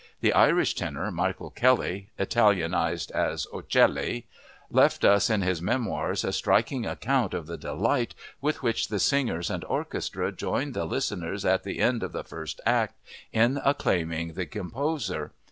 The Irish tenor, Michael Kelly (Italianized as "Occhelly"), left us in his memoirs a striking account of the delight with which the singers and orchestra joined the listeners at the end of the first act in acclaiming the composer.